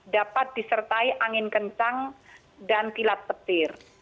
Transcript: dapat disertai angin kencang dan kilat petir